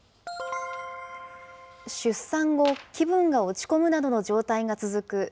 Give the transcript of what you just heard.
出産後、気分が落ち込むなどの状態が続く